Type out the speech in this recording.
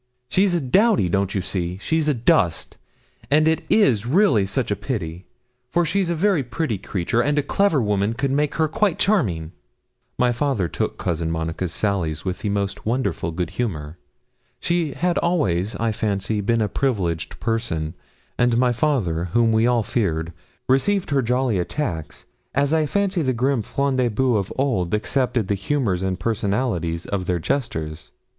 She's a dowdy don't you see? Such a dust! And it is really such a pity; for she's a very pretty creature, and a clever woman could make her quite charming.' My father took Cousin Monica's sallies with the most wonderful good humour. She had always, I fancy, been a privileged person, and my father, whom we all feared, received her jolly attacks, as I fancy the grim Front de Boeufs of old accepted the humours and personalities of their jesters.